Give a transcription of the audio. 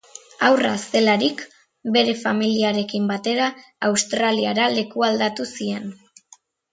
Haurra zelarik bere familiarekin batera Australiara lekualdatu zien.